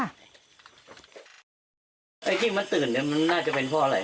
ไอ้ที่มาตื่นเนี่ยมันน่าจะเป็นเพราะอะไร